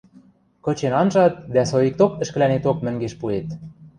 Кычен анжат дӓ соикток ӹшкӹлӓнеток мӹнгеш пуэт.